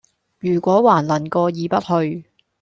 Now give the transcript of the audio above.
如果還能過意不去，……